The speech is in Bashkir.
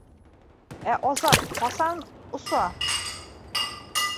Ә Азат ҡасан оса?